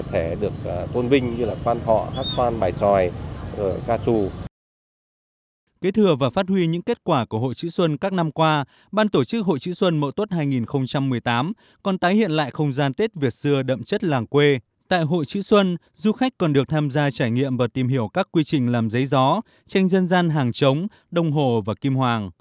hội chữ xuân năm nay còn được tham gia trải nghiệm và tìm hiểu các quy trình làm giấy gió tranh dân gian hàng trống đồng hồ và kim hoàng